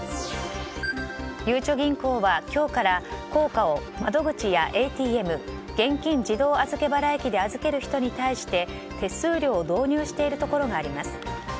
ゆうちょ銀行は、今日から硬貨を窓口やＡＴＭ・現金自動預払機で預ける人に対して手数料を導入しているところがあります。